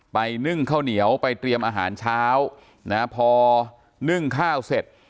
นึ่งข้าวเหนียวไปเตรียมอาหารเช้านะพอนึ่งข้าวเสร็จ